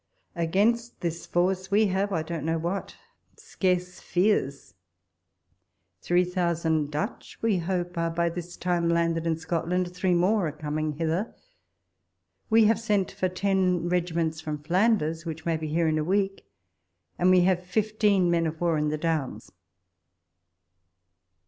Against this force we have— I don't know what— scarce fears ! Three WALPOLE S LETTERS. .T'. thousand Dutch we hope are by this time landed in Scotland ; three more are coming hither. We have sent for ten regiments from Flanders, which may be here in a week, and we have fifteen men of war in the Downs.